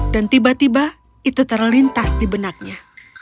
dan tiba tiba itu terlintas di benaknya